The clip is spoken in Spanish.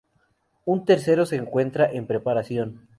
Un tercero se encuentra en preparación.